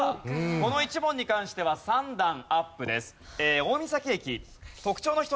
この１問に関しては３段アップです。